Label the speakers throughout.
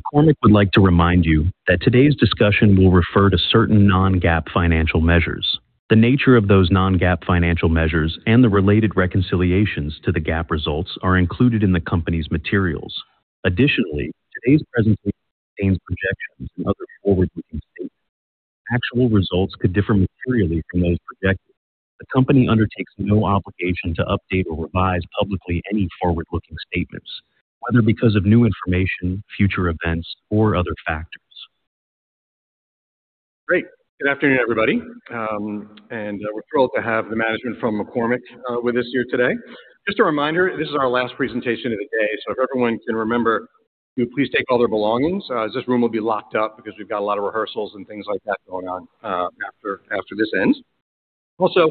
Speaker 1: McCormick would like to remind you that today's discussion will refer to certain non-GAAP financial measures. The nature of those non-GAAP financial measures and the related reconciliations to the GAAP results are included in the company's materials. Additionally, today's presentation contains projections and other forward-looking statements. Actual results could differ materially from those projected. The company undertakes no obligation to update or revise publicly any forward-looking statements, whether because of new information, future events, or other factors.
Speaker 2: Great. Good afternoon, everybody, and we're thrilled to have the management from McCormick with us here today. Just a reminder, this is our last presentation of the day, so if everyone can remember to please take all their belongings as this room will be locked up because we've got a lot of rehearsals and things like that going on after this ends. Also,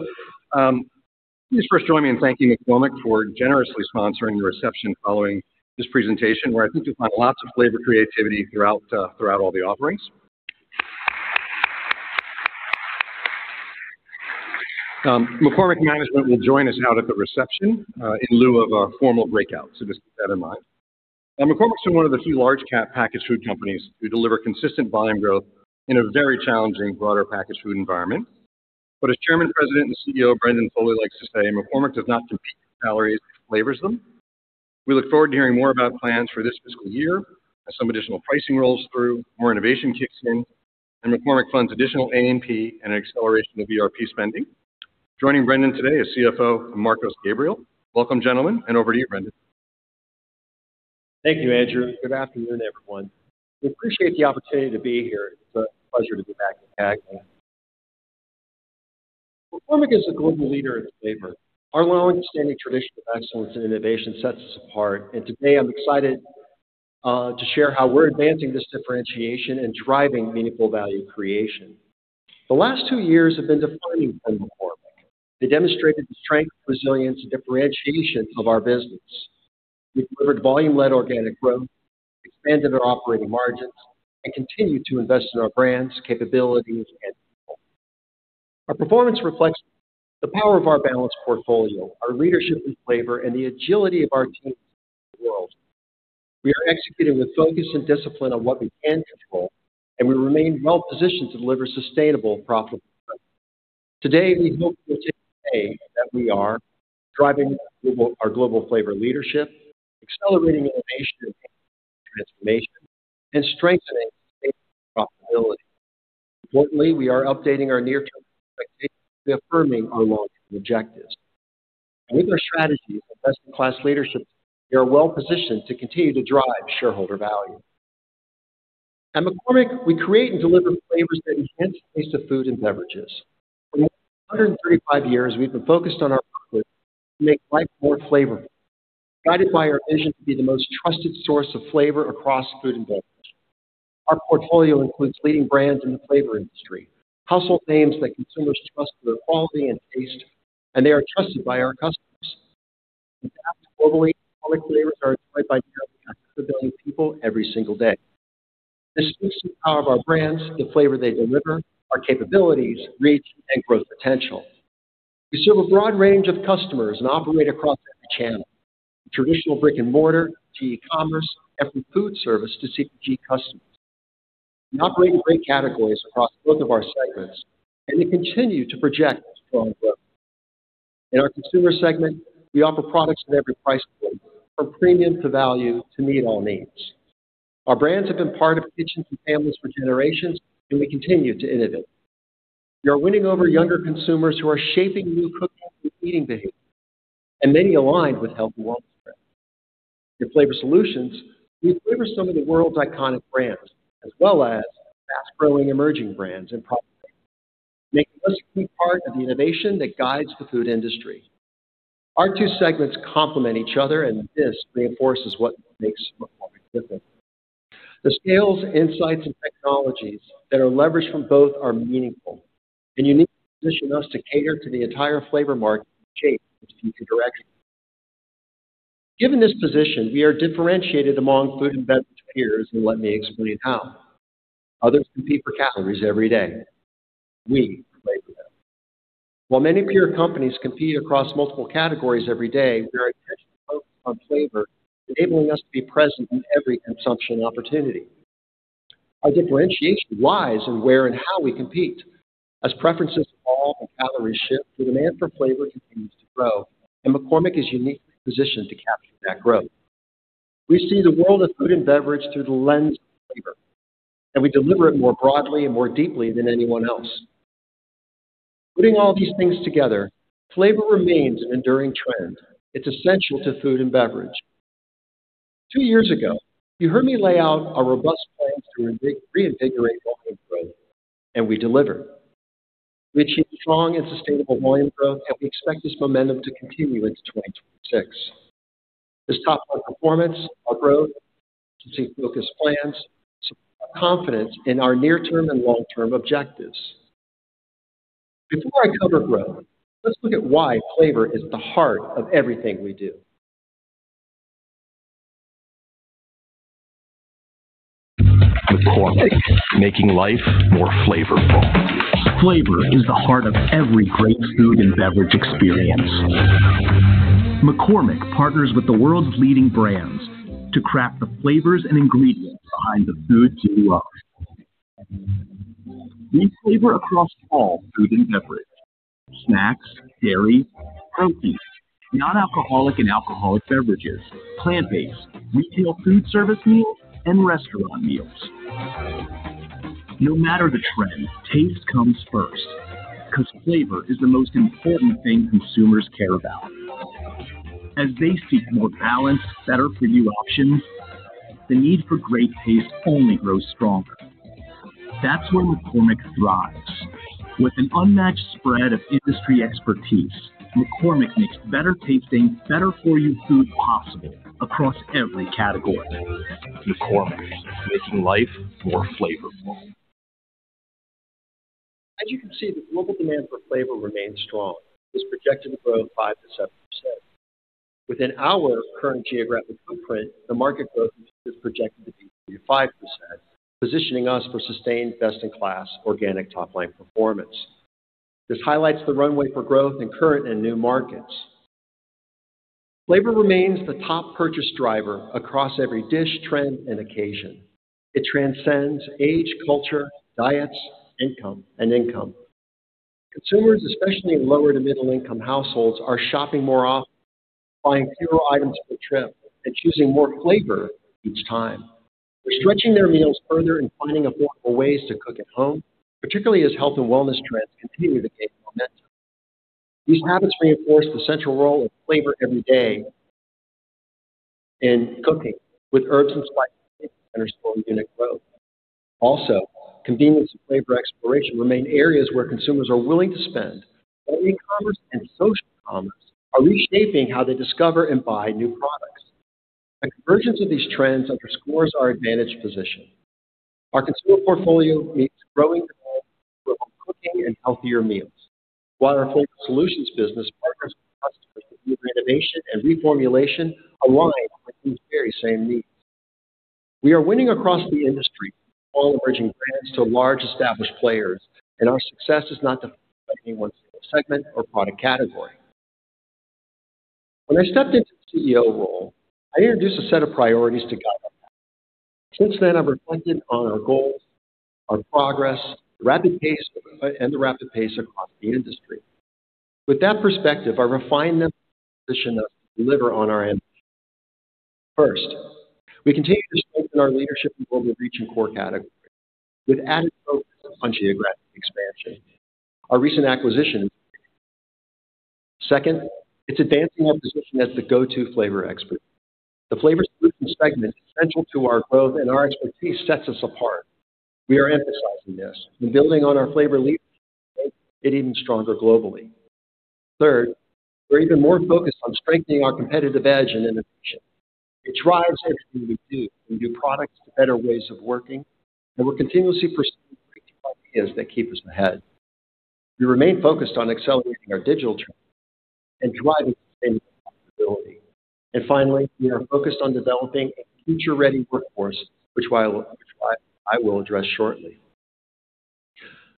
Speaker 2: please first join me in thanking McCormick for generously sponsoring the reception following this presentation, where I think you'll find lots of flavor creativity throughout all the offerings. McCormick management will join us out at the reception in lieu of a formal breakout, so just keep that in mind. Now, McCormick is one of the few large cap packaged food companies to deliver consistent volume growth in a very challenging, broader packaged food environment. But as Chairman, President, and CEO Brendan Foley likes to say, "McCormick does not compete with calories, it flavors them." We look forward to hearing more about plans for this fiscal year as some additional pricing rolls through, more innovation kicks in, and McCormick funds additional A&P and acceleration of ERP spending. Joining Brendan today is CFO Marcos Gabriel. Welcome, gentlemen, and over to you, Brendan.
Speaker 3: Thank you, Andrew. Good afternoon, everyone. We appreciate the opportunity to be here. It's a pleasure to be back in CAGNY. McCormick is a global leader in flavor. Our well-understood tradition of excellence and innovation sets us apart, and today I'm excited to share how we're advancing this differentiation and driving meaningful value creation. The last two years have been defining for McCormick. They demonstrated the strength, resilience, and differentiation of our business. We've delivered volume-led organic growth, expanded our operating margins, and continued to invest in our brands, capabilities, and people. Our performance reflects the power of our balanced portfolio, our leadership in flavor, and the agility of our team in the world. We are executing with focus and discipline on what we can control, and we remain well positioned to deliver sustainable, profitable growth. Today, we hope to achieve that we are driving our global flavor leadership, accelerating innovation and transformation, and strengthening profitability. Importantly, we are updating our near-term expectations, reaffirming our long-term objectives. With our strategy of best-in-class leadership, we are well positioned to continue to drive shareholder value. At McCormick, we create and deliver flavors that enhance the taste of food and beverages. For more than 135 years, we've been focused on our purpose to make life more flavorful, guided by our vision to be the most trusted source of flavor across food and beverage. Our portfolio includes leading brands in the flavor industry, household names that consumers trust for their quality and taste, and they are trusted by our customers. Globally, McCormick flavors are enjoyed by nearly 1 billion people every single day. This speaks to the power of our brands, the flavor they deliver, our capabilities, reach, and growth potential. We serve a broad range of customers and operate across every channel, traditional brick-and-mortar to e-commerce, and from food service to CPG customers. We operate in great categories across both of our segments, and we continue to project strong growth. In our consumer segment, we offer products at every price point, from premium to value, to meet all needs. Our brands have been part of kitchens and families for generations, and we continue to innovate. We are winning over younger consumers who are shaping new cooking and eating behaviors, and many aligned with healthy wellness trends. With Flavor Solutions, we flavor some of the world's iconic brands, as well as fast-growing, emerging brands and product making us a key part of the innovation that guides the food industry. Our two segments complement each other, and this reinforces what makes McCormick different. The scales, insights, and technologies that are leveraged from both are meaningful and uniquely position us to cater to the entire flavor market shape and direction. Given this position, we are differentiated among food and beverage peers, and let me explain how. Others compete for calories every day. We compete with flavor. While many peer companies compete across multiple categories every day, we are focused on flavor, enabling us to be present in every consumption opportunity. Our differentiation lies in where and how we compete. As preferences evolve and calories shift, the demand for flavor continues to grow, and McCormick is uniquely positioned to capture that growth. We see the world of food and beverage through the lens of flavor, and we deliver it more broadly and more deeply than anyone else. Putting all these things together, flavor remains an enduring trend. It's essential to food and beverage. Two years ago, you heard me lay out a robust plan to reinvigorate volume growth, and we delivered. We achieved strong and sustainable volume growth, and we expect this momentum to continue into 2026. This top-line performance, our growth, and focused plans support our confidence in our near-term and long-term objectives. Before I cover growth, let's look at why flavor is the heart of everything we do.
Speaker 4: McCormick, making life more flavorful. Flavor is the heart of every great food and beverage experience. McCormick partners with the world's leading brands to craft the flavors and ingredients behind the foods you love. We flavor across all food and beverage, snacks, dairy, protein, non-alcoholic and alcoholic beverages, plant-based, retail food service meals, and restaurant meals. No matter the trend, taste comes first, 'cause flavor is the most important thing consumers care about. As they seek more balanced, better-for-you options, the need for great taste only grows stronger. That's where McCormick thrives. With an unmatched spread of industry expertise, McCormick makes better tasting, better for you food possible across every category. McCormick, making life more flavorful.
Speaker 3: As you can see, the global demand for flavor remains strong, is projected to grow 5%-7%. Within our current geographic footprint, the market growth is projected to be 35%, positioning us for sustained, best-in-class, organic top-line performance. This highlights the runway for growth in current and new markets. Flavor remains the top purchase driver across every dish, trend, and occasion. It transcends age, culture, diets, income, and income. Consumers, especially in lower to middle-income households, are shopping more often, buying fewer items per trip, and choosing more flavor each time. They're stretching their meals further and finding affordable ways to cook at home, particularly as health and wellness trends continue to gain momentum. These habits reinforce the central role of flavor every day in cooking, with herbs and spices driving better store unit growth. Also, convenience and flavor exploration remain areas where consumers are willing to spend, while e-commerce and social commerce are reshaping how they discover and buy new products. A convergence of these trends underscores our advantaged position. Our consumer portfolio meets growing demand for home cooking and healthier meals, while our flavor solutions business partners with customers through innovation and reformulation aligned with these very same needs. We are winning across the industry, from small emerging brands to large, established players, and our success is not defined by any one single segment or product category. When I stepped into the CEO role, I introduced a set of priorities to guide us. Since then, I've reflected on our goals, our progress, the rapid pace, and the rapid pace across the industry. With that perspective, I refined them to position us to deliver on our ambitions. First, we continue to strengthen our leadership in global reach and core categories, with added focus on geographic expansion, our recent acquisition. Second, it's advancing our position as the go-to flavor expert. The Flavor Solutions segment is central to our growth, and our expertise sets us apart. We are emphasizing this and building on our flavor leadership to make it even stronger globally. Third, we're even more focused on strengthening our competitive edge and innovation. It drives everything we do, from new products to better ways of working, and we're continuously pursuing creative ideas that keep us ahead. We remain focused on accelerating our digital transformation and driving sustainability. Finally, we are focused on developing a future-ready workforce, which I will address shortly.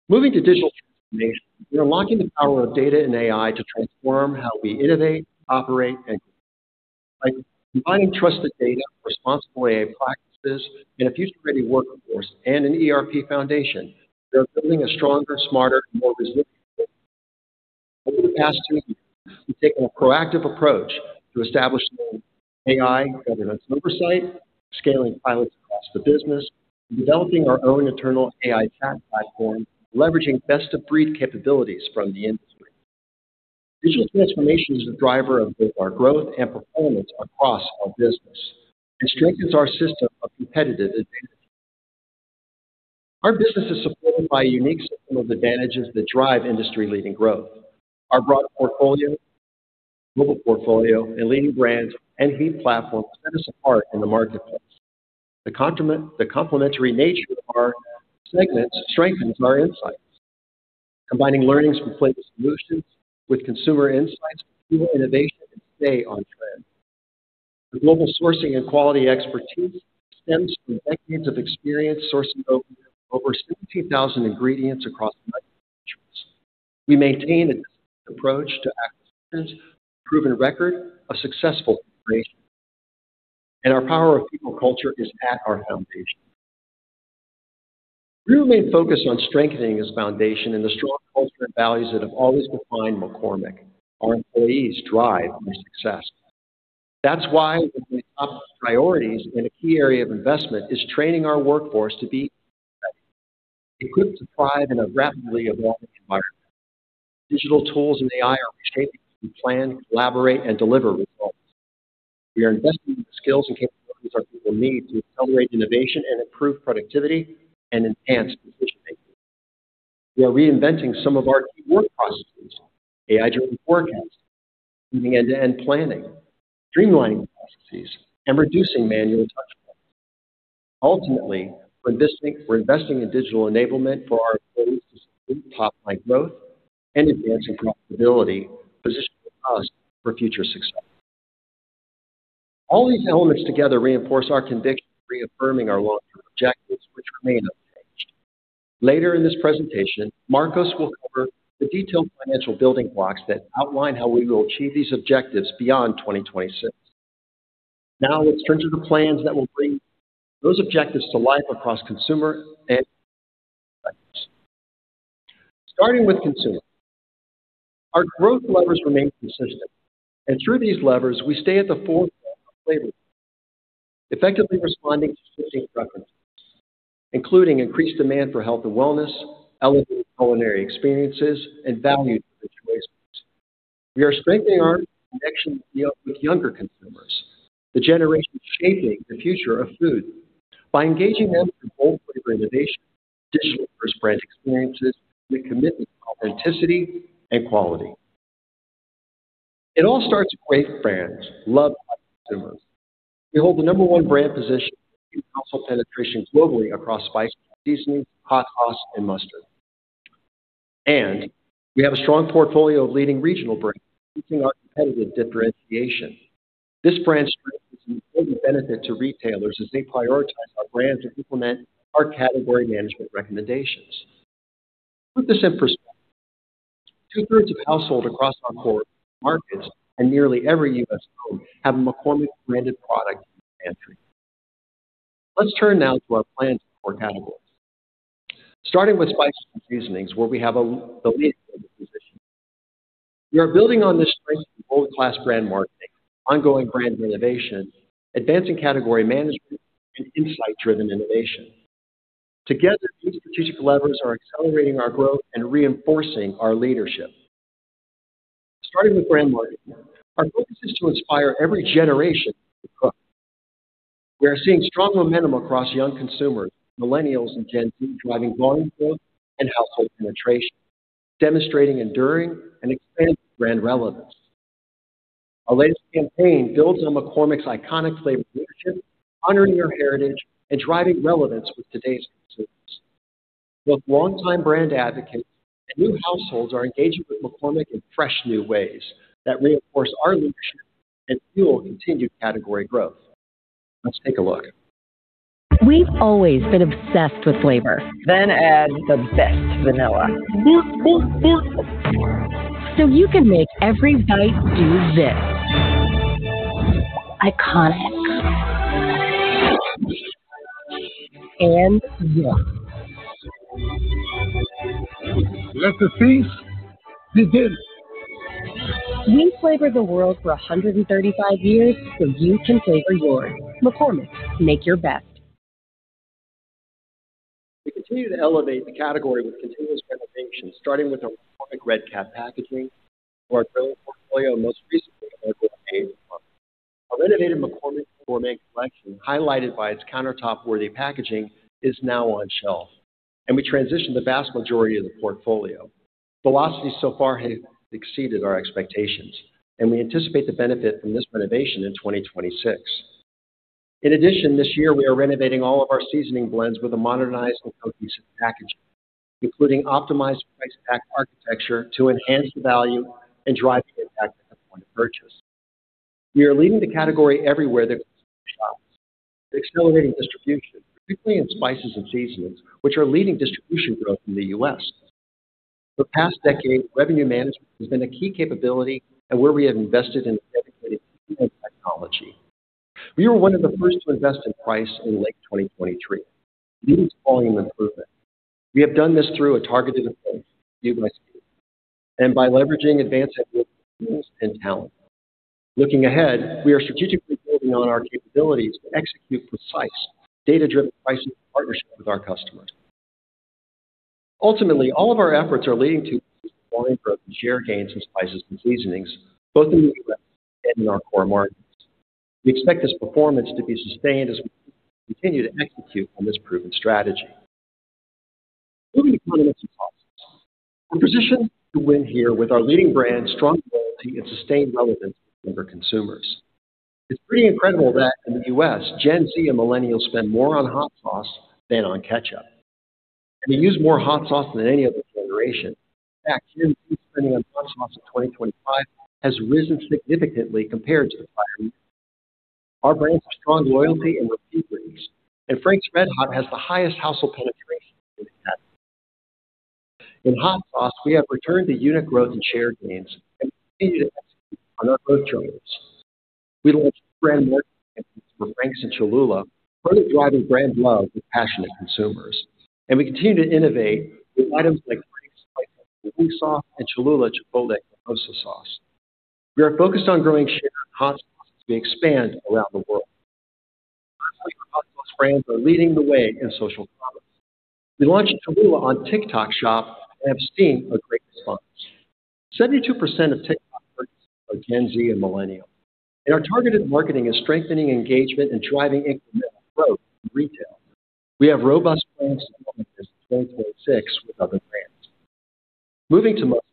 Speaker 3: Moving to digital transformation, we are unlocking the power of data and AI to transform how we innovate, operate, and grow. By combining trusted data, responsible AI practices, and a future-ready workforce and an ERP foundation, we are building a stronger, smarter, more resilient business. Over the past two years, we've taken a proactive approach to establishing AI governance oversight, scaling pilots across the business, and developing our own internal AI chat platform, leveraging best-of-breed capabilities from the industry. Digital transformation is a driver of both our growth and performance across our business and strengthens our system of competitive advantages. Our business is supported by a unique system of advantages that drive industry-leading growth. Our broad portfolio, global portfolio, and leading brands, and heat platform set us apart in the marketplace. The complementary nature of our segments strengthens our insights. Combining learnings from Flavor Solutions with consumer insights, fuel innovation, and stay on trend. Our global sourcing and quality expertise stems from decades of experience sourcing over 17,000 ingredients across many countries. We maintain a disciplined approach to acquisitions, a proven record of successful integration, and our power of people culture is at our foundation. We remain focused on strengthening this foundation and the strong culture and values that have always defined McCormick. Our employees drive our success. That's why one of our top priorities and a key area of investment is training our workforce to be future-ready, equipped to thrive in a rapidly evolving environment. Digital tools and AI are strengthening how we plan, collaborate, and deliver results. We are investing in the skills and capabilities our people need to accelerate innovation and improve productivity and enhance decision-making. We are reinventing some of our key work processes, AI-driven forecasting, improving end-to-end planning, streamlining processes, and reducing manual touchpoints. Ultimately, we're investing, we're investing in digital enablement for our employees to support top-line growth and advancing profitability, positioning us for future success... All these elements together reinforce our conviction, reaffirming our long-term objectives, which remain unchanged. Later in this presentation, Marcos will cover the detailed financial building blocks that outline how we will achieve these objectives beyond 2026. Now, let's turn to the plans that will bring those objectives to life across consumer and. Starting with consumer. Our growth levers remain consistent, and through these levers, we stay at the forefront of flavor, effectively responding to shifting preferences, including increased demand for health and wellness, elevated culinary experiences, and value-driven choices. We are strengthening our connection with with younger consumers, the generation shaping the future of food, by engaging them through bold flavor innovation, additional first brand experiences, and a commitment to authenticity and quality. It all starts with great brands, loved by consumers. We hold the number one brand position and household penetration globally across spice, seasoning, hot sauce, and mustard. And we have a strong portfolio of leading regional brands, increasing our competitive differentiation. This brand strategy is a great benefit to retailers as they prioritize our brands and implement our category management recommendations. To put this in perspective, two-thirds of households across our core markets and nearly every U.S. home have a McCormick branded product in their pantry. Let's turn now to our plans for categories. Starting with spices and seasonings, where we have the leading position. We are building on this strength with world-class brand marketing, ongoing brand renovation, advancing category management, and insight-driven innovation. Together, these strategic levers are accelerating our growth and reinforcing our leadership. Starting with brand marketing, our focus is to inspire every generation to cook. We are seeing strong momentum across young consumers, millennials and Gen Z, driving volume growth and household penetration, demonstrating enduring and expanding brand relevance. Our latest campaign builds on McCormick's iconic flavor leadership, honoring their heritage, and driving relevance with today's consumers. Both longtime brand advocates and new households are engaging with McCormick in fresh, new ways that reinforce our leadership and fuel continued category growth. Let's take a look.
Speaker 4: We've always been obsessed with flavor. Then add the best vanilla. So you can make every bite do this. Iconic. And yeah.
Speaker 5: Let the feast begin!
Speaker 4: We've flavored the world for 135 years, so you can flavor yours. McCormick, make your best.
Speaker 3: We continue to elevate the category with continuous renovations, starting with our McCormick Red Cap packaging, to our growing portfolio, most recently, our McCormick Gourmet Collection. Our innovative McCormick Gourmet Collection, highlighted by its countertop-worthy packaging, is now on shelf, and we transitioned the vast majority of the portfolio. Velocity so far has exceeded our expectations, and we anticipate the benefit from this renovation in 2026. In addition, this year, we are renovating all of our seasoning blends with a modernized and cohesive packaging, including optimized price pack architecture, to enhance the value and drive the impact at the point of purchase. We are leading the category everywhere that shops, accelerating distribution, particularly in spices and seasonings, which are leading distribution growth in the U.S. For the past decade, revenue management has been a key capability and where we have invested in dedicated talent technology. We were one of the first to invest in price in late 2023, leading to volume improvement. We have done this through a targeted approach, U.S., and by leveraging advanced tools and talent. Looking ahead, we are strategically building on our capabilities to execute precise, data-driven pricing in partnership with our customers. Ultimately, all of our efforts are leading to volume growth and share gains in spices and seasonings, both in the U.S. and in our core markets. We expect this performance to be sustained as we continue to execute on this proven strategy. Moving to hot sauce. We're positioned to win here with our leading brand, strong loyalty, and sustained relevance for consumers. It's pretty incredible that in the U.S., Gen Z and millennials spend more on hot sauce than on ketchup. They use more hot sauce than any other generation. In fact, Gen Z spending on hot sauce in 2025 has risen significantly compared to the prior year. Our brands have strong loyalty and repeat rates, and Frank's RedHot has the highest household penetration. In hot sauce, we have returned to unit growth and share gains and continue to execute on our growth drivers. We launched brand marketing campaigns for Frank's and Cholula, further driving brand love with passionate consumers, and we continue to innovate with items like Frank's Mild Jalapeño Sauce and Cholula Chipotle Salsa Sauce. We are focused on growing share in hot sauce as we expand around the world. Our hot sauce brands are leading the way in social commerce. We launched Cholula on TikTok Shop and have seen a great response. 72% of TikTok users are Gen Z and millennial, and our targeted marketing is strengthening engagement and driving incremental growth in retail. We have robust plans to complement this in 2026 with other brands. Moving to mustard.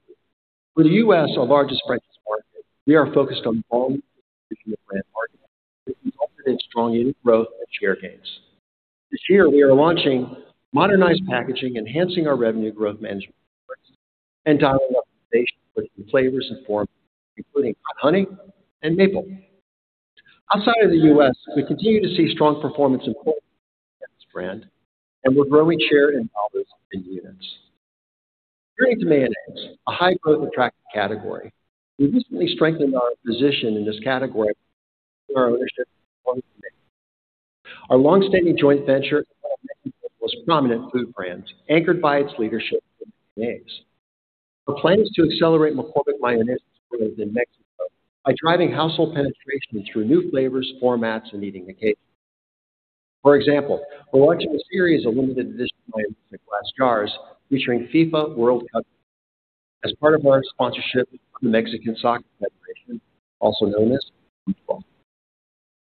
Speaker 3: For the U.S., our largest franchise market, we are focused on building brand marketing, and we've celebrated strong unit growth and share gains. This year, we are launching modernized packaging, enhancing our revenue growth management, and dialing up innovation with new flavors and forms, including hot honey and maple. Outside of the U.S., we continue to see strong performance in mayonnaise brand, and we're growing share in all those key units. Turning to mayonnaise, a high-growth, attractive category. We recently strengthened our position in this category with our ownership of McCormick de Mexico. Our long-standing joint venture with one of Mexico's most prominent food brands, anchored by its leadership in mayonnaise. Our plan is to accelerate McCormick mayonnaise growth in Mexico by driving household penetration through new flavors, formats, and eating occasions. For example, we're launching a series of limited-edition mayonnaise in glass jars featuring FIFA World Cup, as part of our sponsorship with the Mexican Soccer Federation, also known as FMF.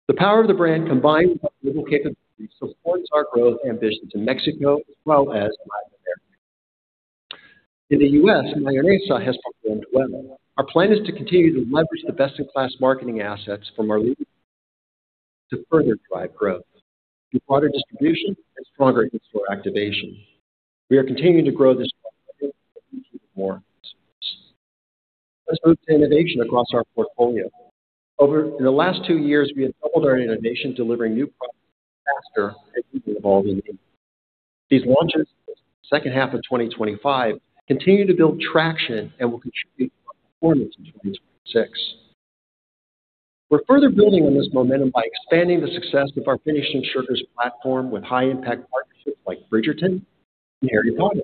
Speaker 3: The power of the brand, combined with our local capabilities, supports our growth ambitions in Mexico as well as Latin America. In the U.S., mayonnaise has performed well. Our plan is to continue to leverage the best-in-class marketing assets from our leading to further drive growth through broader distribution and stronger in-store activation. We are continuing to grow this more consumers. Let's move to innovation across our portfolio. In the last two years, we have doubled our innovation, delivering new products faster and meeting evolving needs. These launches in the second half of 2025 continue to build traction and will contribute to our performance in 2026. We're further building on this momentum by expanding the success of our finishing sugars platform with high-impact partnerships like Bridgerton and Harry Potter.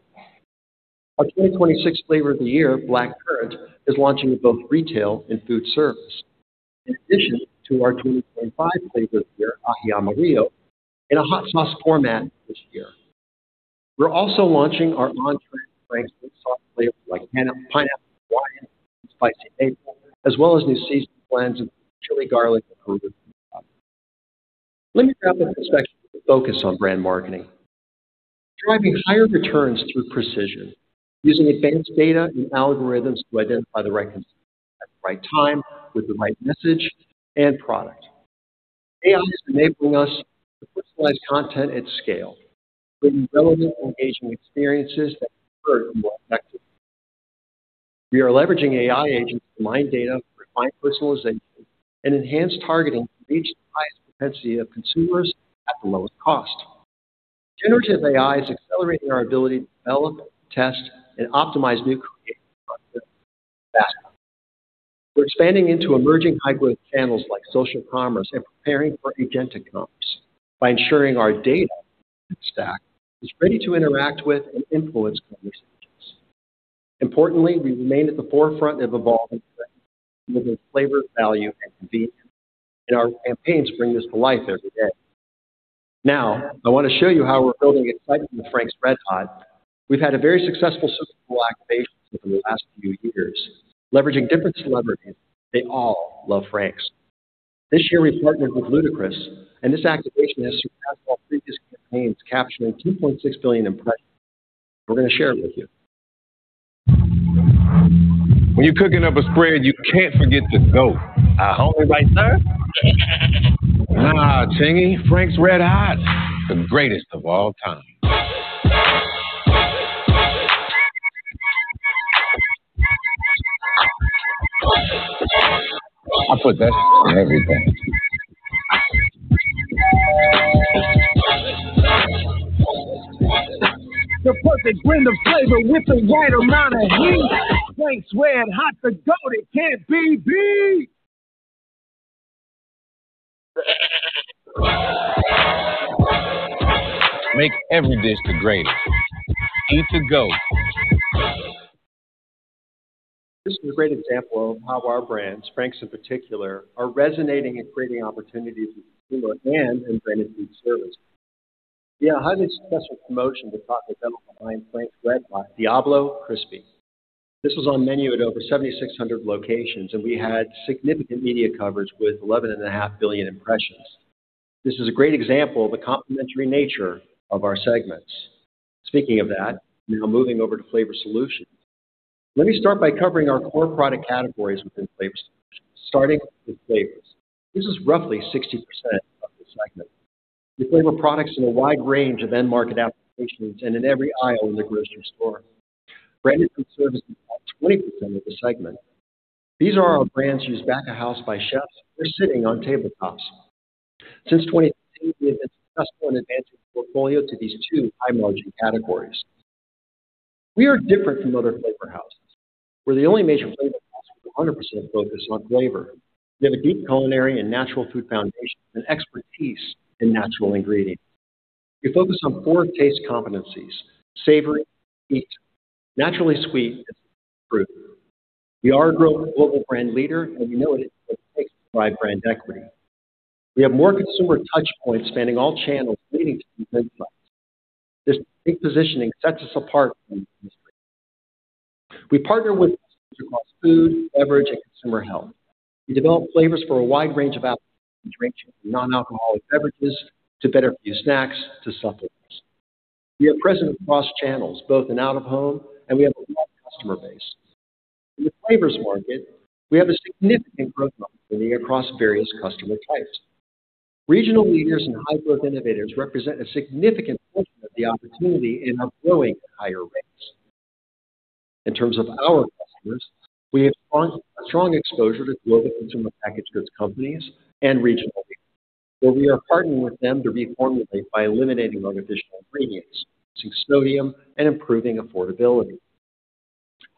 Speaker 3: Our 2026 flavor of the year, Black Currant, is launching in both retail and food service. In addition to our 2025 flavor of the year, Aji Amarillo, in a hot sauce format this year. We're also launching our on-trend Frank's sauce flavors like Pineapple Hawaiian and Spicy Maple, as well as new seasonal blends of chili, garlic, and herb. Let me now turn our attention to focus on brand marketing. Driving higher returns through precision, using advanced data and algorithms to identify the right consumer at the right time with the right message and product. AI is enabling us to personalize content at scale, building relevant and engaging experiences that convert more effectively. We are leveraging AI agents to mine data for refined personalization and enhanced targeting to reach the highest propensity of consumers at the lowest cost. Generative AI is accelerating our ability to develop, test, and optimize new creative faster. We're expanding into emerging high-growth channels like social commerce and preparing for agentic commerce by ensuring our data stack is ready to interact with and influence these agents. Importantly, we remain at the forefront of evolving trends, whether it's flavor, value, and convenience, and our campaigns bring this to life every day. Now, I want to show you how we're building excitement with Frank's RedHot. We've had a very successful Super Bowl activation over the last few years, leveraging different celebrities. They all love Frank's. This year, we partnered with Ludacris, and this activation has surpassed all previous campaigns, capturing 2.6 billion impressions. We're going to share it with you.
Speaker 4: When you're cooking up a spread, you can't forget the GOAT. Tangy, Frank's RedHot, the greatest of all time. I put that on everything.
Speaker 5: The perfect blend of flavor with the right amount of heat. Frank's RedHot, the GOAT, it can't be beat!
Speaker 4: Make every dish the greatest with the GOAT.
Speaker 3: This is a great example of how our brands, Frank's in particular, are resonating and creating opportunities with consumer and in branded food service. We had a highly successful promotion to complement the Frank's RedHot Diablo Crispy. This was on menu at over 7,600 locations, and we had significant media coverage with 11.5 billion impressions. This is a great example of the complementary nature of our segments. Speaking of that, now moving over to Flavor Solutions. Let me start by covering our core product categories within Flavor Solutions, starting with flavors. This is roughly 60% of the segment. We flavor products in a wide range of end-market applications and in every aisle in the grocery store. Branded food service is about 20% of the segment. These are our brands used back of house by chefs or sitting on tabletops. Since 2018, we have been successful in advancing our portfolio to these two high-margin categories. We are different from other flavor houses. We're the only major flavor house with 100% focus on flavor. We have a deep culinary and natural food foundation and expertise in natural ingredients. We focus on four taste competencies: savory, sweet, naturally sweet, and fruit. We are a growing global brand leader, and we know what it takes to drive brand equity. We have more consumer touchpoints spanning all channels leading to these midpoints. This unique positioning sets us apart from the industry. We partner with customers across food, beverage, and consumer health. We develop flavors for a wide range of applications, ranging from non-alcoholic beverages to better-for-you snacks to supplements. We are present across channels, both in out-of-home, and we have a wide customer base. In the flavors market, we have a significant growth opportunity across various customer types. Regional leaders and high growth innovators represent a significant portion of the opportunity and are growing at higher rates. In terms of our customers, we have a strong exposure to global consumer packaged goods companies and regional leaders, where we are partnering with them to reformulate by eliminating artificial ingredients, reducing sodium, and improving affordability.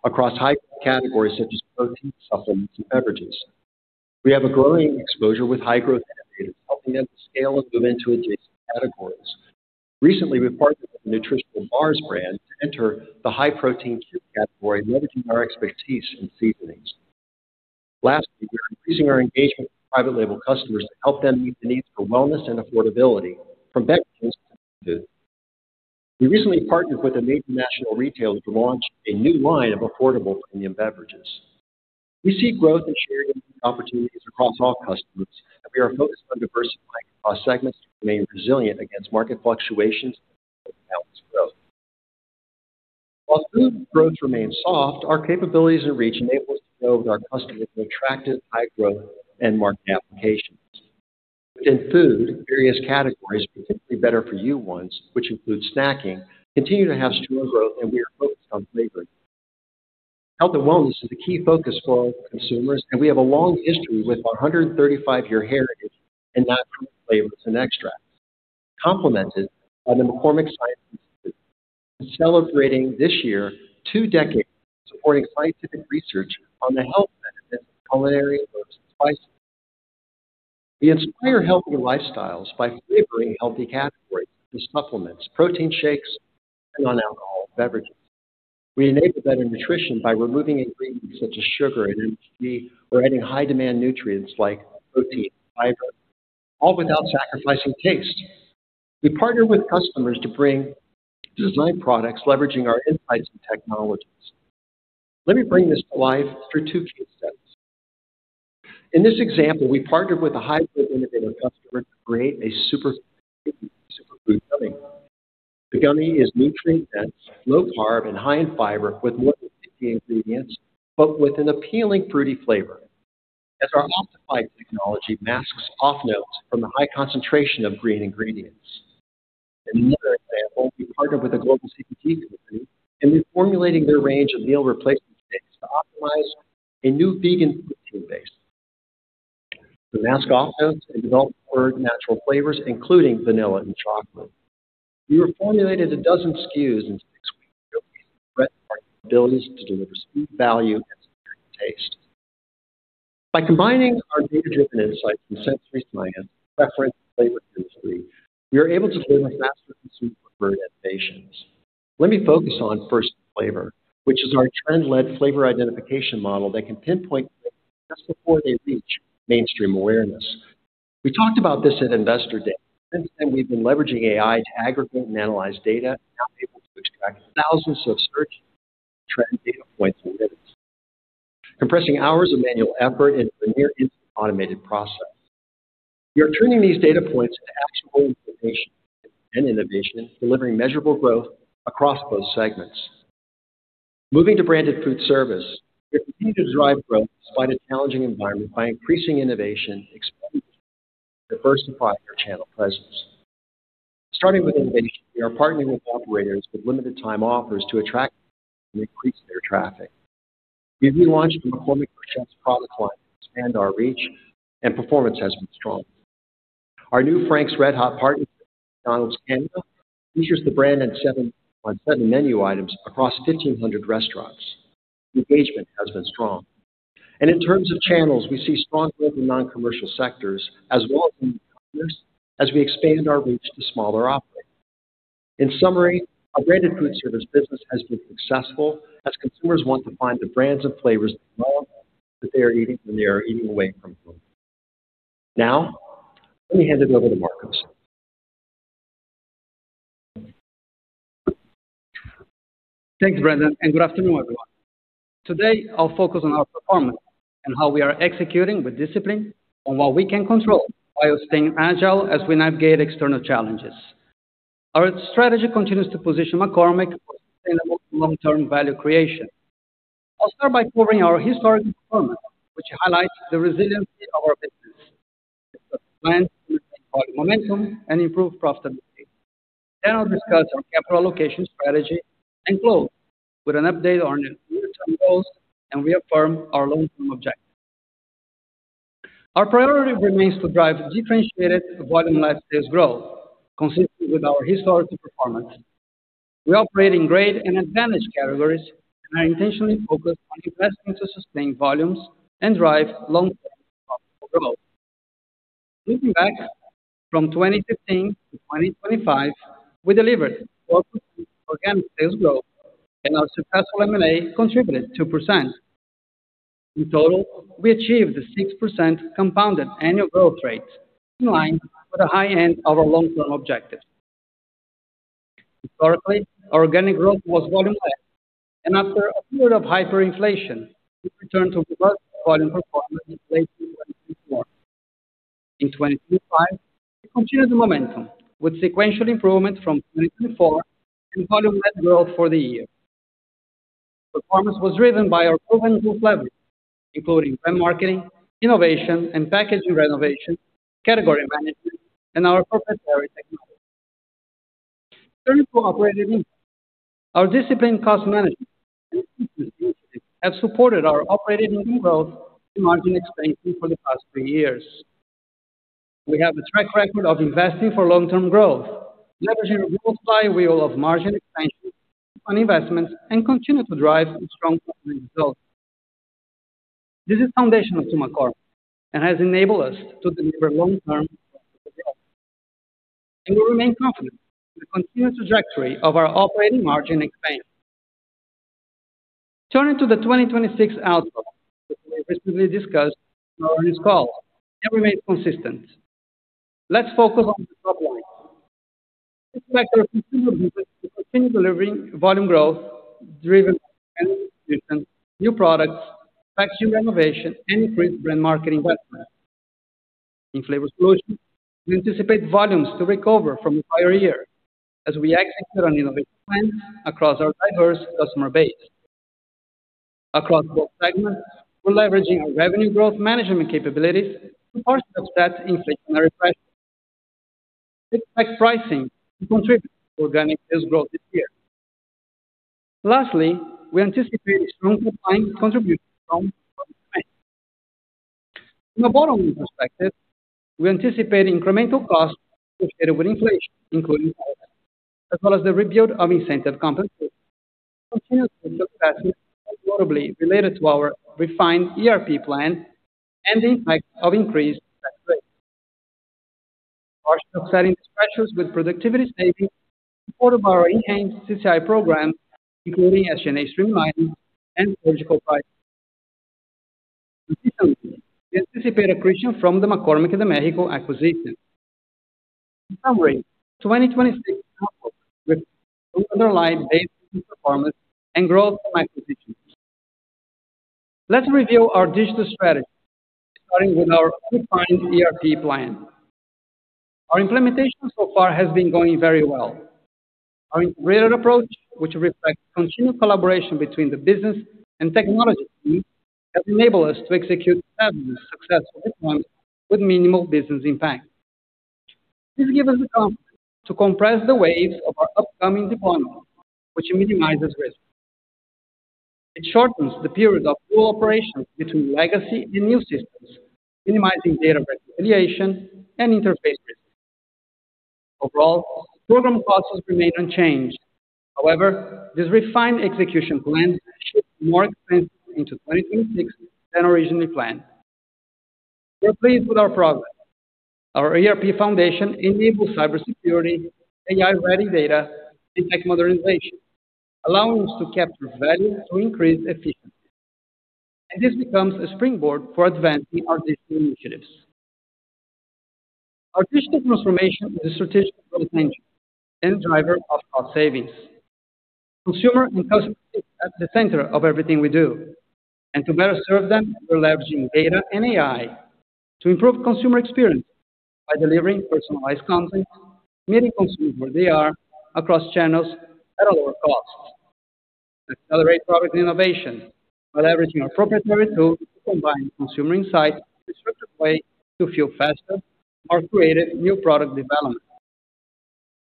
Speaker 3: Across high growth categories such as protein supplements and beverages, we have a growing exposure with high growth innovators, helping them to scale and move into adjacent categories. Recently, we partnered with a nutritional bars brand to enter the high protein cube category, leveraging our expertise in seasonings. Lastly, we are increasing our engagement with private label customers to help them meet the needs for wellness and affordability from beverages to food. We recently partnered with a major national retailer to launch a new line of affordable premium beverages. We see growth and sharing opportunities across all customers, and we are focused on diversifying across segments to remain resilient against market fluctuations and balanced growth. While food growth remains soft, our capabilities and reach enable us to build with our customers with attractive high growth end market applications. Within food, various categories, particularly better-for-you ones, which include snacking, continue to have strong growth, and we are focused on flavoring. Health and wellness is a key focus for all consumers, and we have a long history with 135-year heritage in natural flavors and extracts, complemented by the McCormick Science Institute, celebrating this year two decades of supporting scientific research on the health benefits of culinary herbs and spices. We inspire healthy lifestyles by flavoring healthy categories, such as supplements, protein shakes, and non-alcohol beverages. We enable better nutrition by removing ingredients such as sugar and MSG or adding high demand nutrients like protein and fiber, all without sacrificing taste. We partner with customers to bring designed products, leveraging our insights and technologies. Let me bring this to life through two case studies. In this example, we partnered with a high growth innovative customer to create a super fruit gummy. The gummy is nutrient-dense, low carb, and high in fiber with more than 50 ingredients, but with an appealing fruity flavor, as our Optify technology masks off-notes from the high concentration of green ingredients. In another example, we partnered with a global CPG company in reformulating their range of meal replacement shakes to optimize a new vegan protein base. To mask off notes, we developed four natural flavors, including vanilla and chocolate. We reformulated a dozen SKUs in six weeks, demonstrating our abilities to deliver speed, value, and superior taste. By combining our data-driven insights from sensory science, preference, and flavor chemistry, we are able to deliver faster consumer-preferred innovations. Let me focus on First Flavor, which is our trend-led flavor identification model that can pinpoint trends just before they reach mainstream awareness. We talked about this at Investor Day. Since then, we've been leveraging AI to aggregate and analyze data, now able to extract thousands of search and trend data points in minutes, compressing hours of manual effort into a near instant automated process. We are turning these data points into actionable information and innovation, delivering measurable growth across both segments. Moving to branded food service, we continue to drive growth despite a challenging environment by increasing innovation, expanding, and diversifying our channel presence. Starting with innovation, we are partnering with operators with limited time offers to attract and increase their traffic. We've relaunched the McCormick Chef's product line to expand our reach, and performance has been strong. Our new Frank's RedHot partnership with McDonald's Canada features the brand on 7 menu items across 1,500 restaurants. Engagement has been strong. In terms of channels, we see strong growth in non-commercial sectors as well as newcomers as we expand our reach to smaller operators. In summary, our branded food service business has been successful as consumers want to find the brands and flavors they love, that they are eating when they are eating away from home. Now, let me hand it over to Marcos.
Speaker 6: Thanks, Brendan, and good afternoon, everyone. Today, I'll focus on our performance and how we are executing with discipline on what we can control while staying agile as we navigate external challenges. Our strategy continues to position McCormick for sustainable long-term value creation. I'll start by covering our historic performance, which highlights the resiliency of our business. With the plan, volume momentum, and improved profitability. Then I'll discuss our capital allocation strategy and close with an update on your near-term goals and reaffirm our long-term objectives. Our priority remains to drive differentiated volume-led sales growth, consistent with our historic performance. We operate in great and advantage categories and are intentionally focused on investing to sustain volumes and drive long-term profitable growth. Looking back from 2015 to 2025, we delivered 12% organic sales growth, and our successful M&A contributed 2%. In total, we achieved a 6% compounded annual growth rate, in line with the high end of our long-term objective. Historically, organic growth was volume-led, and after a period of hyperinflation, we returned to robust volume performance in late 2024. In 2025, we continued the momentum with sequential improvement from 2024 and volume-led growth for the year.... Performance was driven by our proven toolset, including brand marketing, innovation, and packaging renovation, category management, and our proprietary technology. Turning to operating income. Our disciplined cost management and business discipline have supported our operating margin expansion for the past three years. We have a track record of investing for long-term growth, leveraging a flywheel of margin expansion on investments, and continue to drive strong operating results. This is foundational to McCormick, and has enabled us to deliver long-term. And we remain confident in the continued trajectory of our operating margin expansion. Turning to the 2026 outlook, which we recently discussed on this call, and remain consistent. Let's focus on the top line. We expect our Consumer business to continue delivering volume growth, driven by new products, packaging renovation, and increased brand marketing investment. In Flavor Solutions, we anticipate volumes to recover from the prior year as we execute on innovation plans across our diverse customer base. Across both segments, we're leveraging our revenue growth management capabilities to offset inflationary pressures. We expect pricing to contribute to organic sales growth this year. Lastly, we anticipate strong combined contribution from both segments. From a bottom line perspective, we anticipate incremental costs associated with inflation, including as well as the rebuild of incentive compensation, continuous investment, notably related to our refined ERP plan and the impact of increased tax rates. Offsetting pressures with productivity savings, support of our enhanced CCI program, including SG&A streamlining and vertical pricing. Additionally, we anticipate accretion from the McCormick de Mexico acquisition. In summary, 2026 outlook will underline base business performance and growth from acquisitions. Let's review our digital strategy, starting with our refined ERP plan. Our implementation so far has been going very well. Our integrated approach, which reflects continued collaboration between the business and technology teams, has enabled us to execute successfully with minimal business impact. This gives us the confidence to compress the waves of our upcoming deployment, which minimizes risk. It shortens the period of full operation between legacy and new systems, minimizing data variation and interface risk. Overall, program costs have remained unchanged. However, this refined execution plan shifts more expense into 2026 than originally planned. We are pleased with our progress. Our ERP foundation enables cybersecurity, AI-ready data, and tech modernization, allowing us to capture value to increase efficiency. This becomes a springboard for advancing our digital initiatives. Our digital transformation is a strategic potential and driver of cost savings. Consumer and customer are at the center of everything we do, and to better serve them, we're leveraging data and AI to improve consumer experience by delivering personalized content, meeting consumers where they are across channels at a lower cost. Accelerate product innovation while leveraging our proprietary tools to combine consumer insight in a structured way to fuel faster, more creative new product development.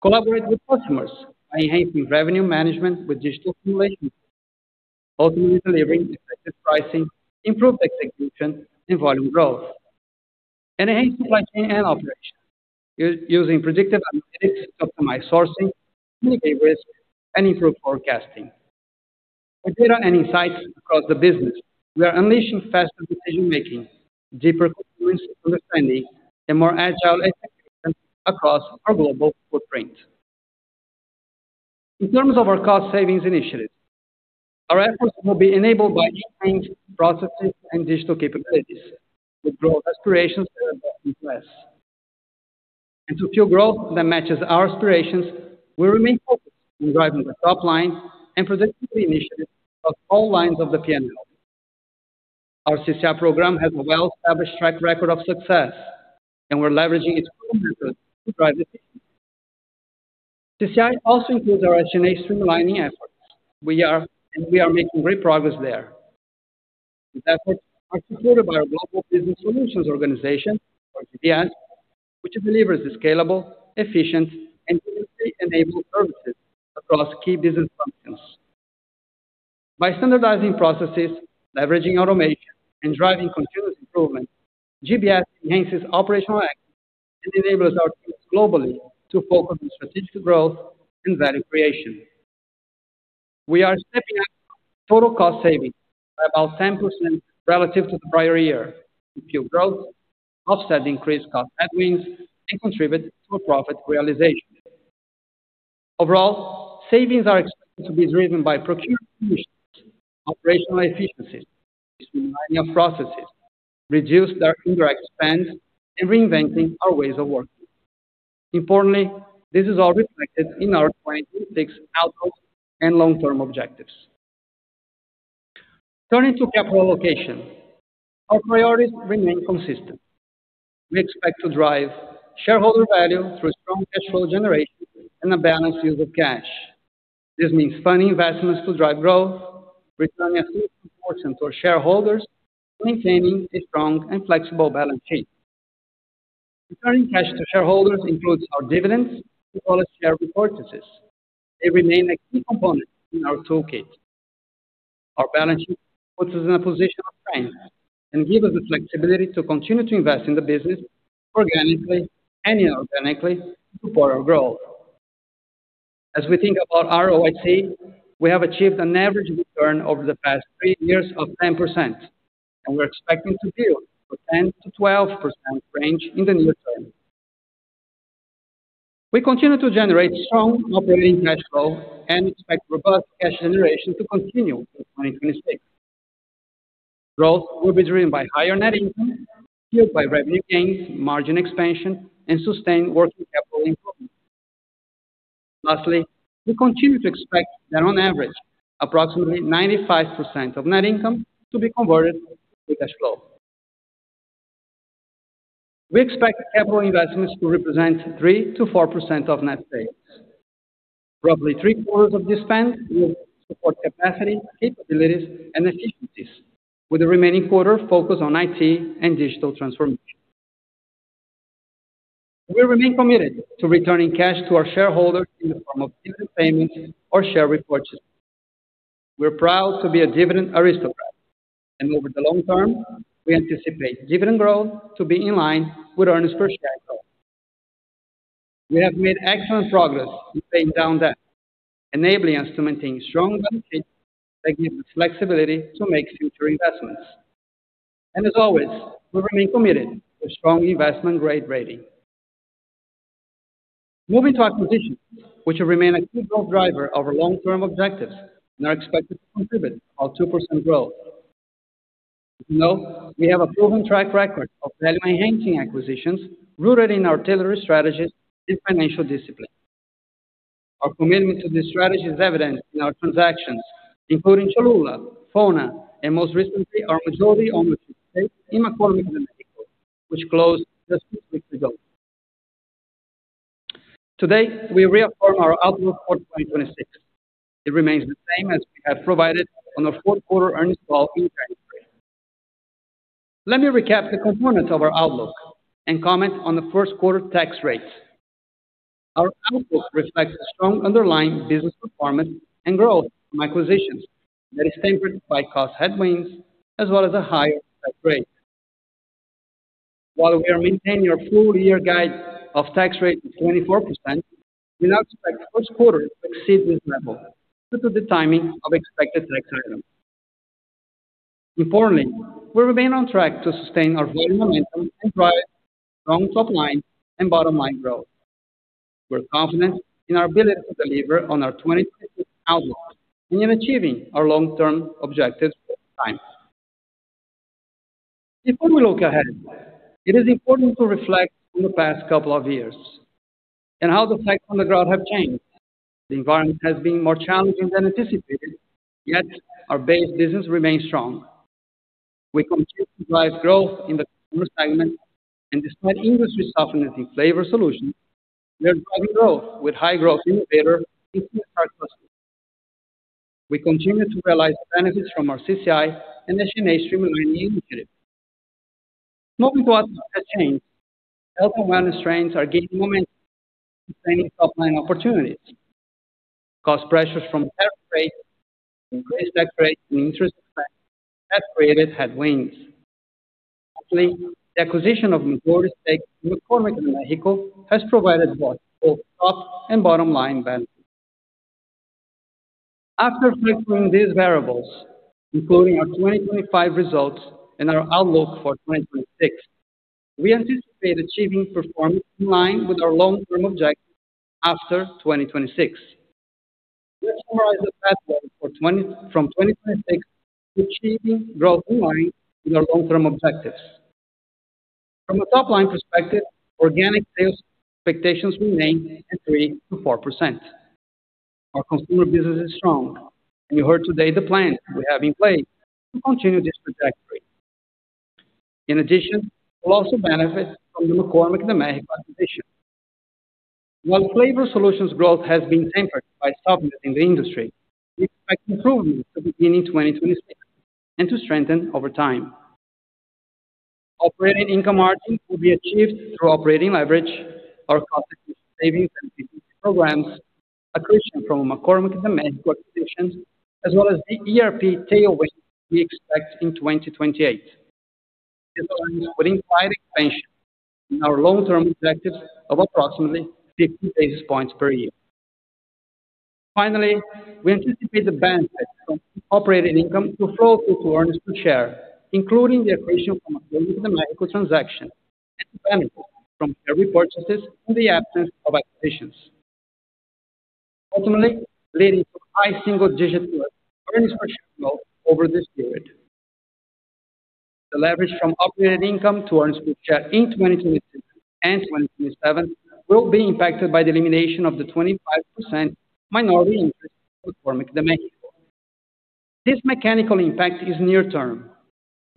Speaker 6: Collaborate with customers by enhancing revenue management with digital simulation, ultimately delivering effective pricing, improved execution, and volume growth. Enhance supply chain and operations using predictive analytics, optimize sourcing, mitigate risk, and improve forecasting. With data and insights across the business, we are unleashing faster decision-making, deeper understanding, and more agile execution across our global footprint. In terms of our cost savings initiatives, our efforts will be enabled by enhanced processes and digital capabilities, with growth aspirations less. And to fuel growth that matches our aspirations, we remain focused on driving the top line and productivity initiatives of all lines of the P&L. Our CCI program has a well-established track record of success, and we're leveraging its methods to drive this. CCI also includes our SG&A streamlining efforts. We are making great progress there. These efforts are supported by our Global Business Solutions organization, or GBS, which delivers scalable, efficient, and digitally enabled services across key business functions. By standardizing processes, leveraging automation, and driving continuous improvement, GBS enhances operational excellence and enables our teams globally to focus on strategic growth and value creation. We are stepping up total cost savings by about 10% relative to the prior year to fuel growth, offset increased cost headwinds, and contribute to a profit realization. Overall, savings are expected to be driven by procurement, operational efficiencies, streamlining of processes, reduce their indirect spends, and reinventing our ways of working. Importantly, this is all reflected in our 2026 outlook and long-term objectives.... Turning to capital allocation. Our priorities remain consistent. We expect to drive shareholder value through strong cash flow generation and a balanced use of cash. This means funding investments to drive growth, returning a significant portion to our shareholders, and maintaining a strong and flexible balance sheet. Returning cash to shareholders includes our dividends as well as share repurchases. They remain a key component in our toolkit. Our balance sheet puts us in a position of strength and give us the flexibility to continue to invest in the business organically and inorganically to support our growth. As we think about ROIC, we have achieved an average return over the past three years of 10%, and we're expecting to build a 10%-12% range in the near term. We continue to generate strong operating cash flow and expect robust cash generation to continue in 2026. Growth will be driven by higher net income, fueled by revenue gains, margin expansion, and sustained working capital improvement. Lastly, we continue to expect that on average, approximately 95% of net income to be converted to cash flow. We expect capital investments to represent 3%-4% of net sales. Roughly three-quarters of this spend will support capacity, capabilities, and efficiencies, with the remaining quarter focused on IT and digital transformation. We remain committed to returning cash to our shareholders in the form of dividend payments or share repurchases. We're proud to be a dividend aristocrat, and over the long term, we anticipate dividend growth to be in line with earnings per share growth. We have made excellent progress in paying down debt, enabling us to maintain strong balance sheet that gives us flexibility to make future investments. As always, we remain committed to strong investment-grade rating. Moving to acquisitions, which will remain a key growth driver of our long-term objectives, and are expected to contribute about 2% growth. As you know, we have a proven track record of value-enhancing acquisitions rooted in our tailored strategies and financial discipline. Our commitment to this strategy is evident in our transactions, including Cholula, FONA, and most recently, our majority ownership stake in McCormick de Mexico, which closed just six weeks ago. Today, we reaffirm our outlook for 2026. It remains the same as we have provided on the fourth quarter earnings call in January. Let me recap the components of our outlook and comment on the first quarter tax rates. Our outlook reflects a strong underlying business performance and growth from acquisitions that is tempered by cost headwinds as well as a higher tax rate. While we are maintaining our full-year guide of tax rate of 24%, we now expect the first quarter to exceed this level due to the timing of expected tax items. Importantly, we remain on track to sustain our volume momentum and drive strong top line and bottom line growth. We're confident in our ability to deliver on our 2026 outlook and in achieving our long-term objectives over time. Before we look ahead, it is important to reflect on the past couple of years and how the facts on the ground have changed. The environment has been more challenging than anticipated, yet our base business remains strong. We continue to drive growth in the Consumer segment, and despite industry softening in Flavor Solutions, we are driving growth with high-growth innovator increasing our customers. We continue to realize the benefits from our CCI and the SG&A streamlining initiative. Moving to what has changed, health and wellness trends are gaining momentum, bringing top-line opportunities. Cost pressures from tariff rates, increased tax rates, and interest rates have created headwinds. Actually, the acquisition of majority stake in McCormick de Mexico has provided both top and bottom-line benefits. After reflecting these variables, including our 2025 results and our outlook for 2026, we anticipate achieving performance in line with our long-term objectives after 2026. Let's summarize the pathway for 2026, from 2026 to achieving growth in line with our long-term objectives. From a top-line perspective, organic sales expectations remain at 3%-4%. Our consumer business is strong, and you heard today the plan we have in place to continue this trajectory. In addition, we'll also benefit from the McCormick de Mexico acquisition. While Flavor Solutions growth has been tempered by softness in the industry, we expect improvement to begin in 2026 and to strengthen over time. Operating income margins will be achieved through operating leverage, our cost savings and programs, accretion from McCormick de Mexico acquisition, as well as the ERP tailwind we expect in 2028. This aligns with implied expansion in our long-term objectives of approximately 50 basis points per year. Finally, we anticipate the benefit from operating income to flow through to earnings per share, including the accretion from the Mexico transaction and the benefit from share repurchases in the absence of acquisitions. Ultimately, leading to high single-digit growth earnings per share growth over this period. The leverage from operating income to earnings per share in 2026 and 2027 will be impacted by the elimination of the 25% minority interest in McCormick de Mexico. This mechanical impact is near term.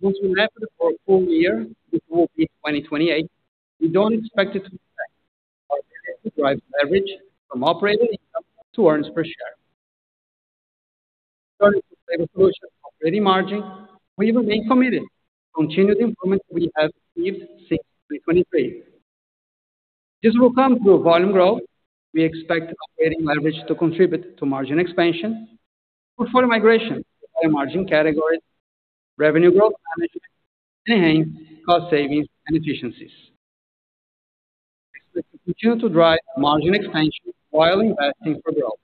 Speaker 6: Once we wrap it for a full year, which will be 2028, we don't expect it to drive leverage from operating income to earnings per share. Operating margin, we remain committed to continued improvement we have achieved since 2023. This will come through volume growth. We expect operating leverage to contribute to margin expansion, portfolio migration by margin categories, revenue growth management, and enhanced cost savings and efficiencies. We continue to drive margin expansion while investing for growth.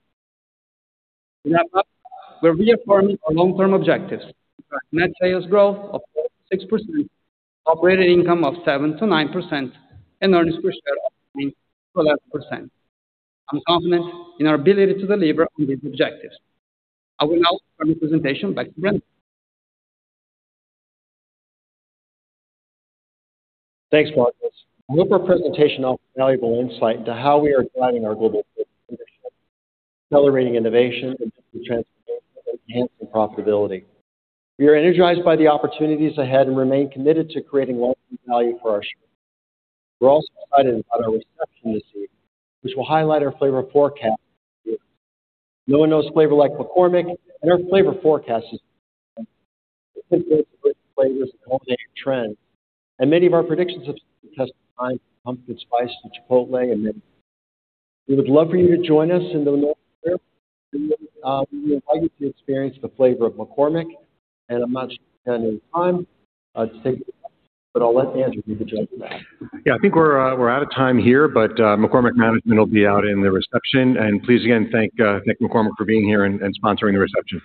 Speaker 6: We're reaffirming our long-term objectives, net sales growth of 4%-6%, operating income of 7%-9%, and earnings per share of 8%-11%. I'm confident in our ability to deliver on these objectives. I will now turn the presentation back to Brendan.
Speaker 3: Thanks, Marcos. Group presentation offers valuable insight into how we are driving our global leadership, accelerating innovation, and transformation, enhancing profitability. We are energized by the opportunities ahead and remain committed to creating long-term value for our shareholders. We're also excited about our reception this evening, which will highlight our Flavor Forecast. No one knows flavor like McCormick, and our Flavor Forecast is flavors and all the new trends, and many of our predictions have stood the test of time, pumpkin spice, to Chipotle, and many. We would love for you to join us in the. We invite you to experience the flavor of McCormick, and I'm not sure any time, to take, but I'll let Andrew be the judge of that.
Speaker 2: Yeah, I think we're out of time here, but McCormick management will be out in the reception. Please, again, thank Nick McCormick for being here and sponsoring the reception.